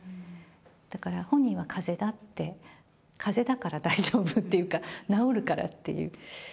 だから、本人はかぜだって、かぜだから大丈夫っていうか、治るからっていう。